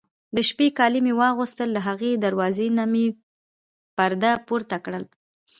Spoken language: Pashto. د شپې کالي مې واغوستل، له هغې دروازې نه مې پرده پورته کړل.